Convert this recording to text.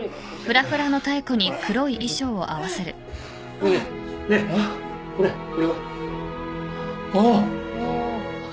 ねえねえねっこれこれは？あっ。